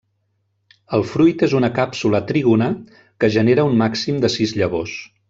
El fruit és una càpsula trígona que genera un màxim de sis llavors.